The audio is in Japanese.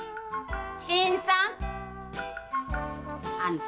・新さん！あんた